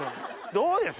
どうです？